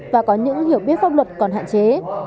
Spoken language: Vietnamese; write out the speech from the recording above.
và có những hiểu biết pháp luật còn hạn chế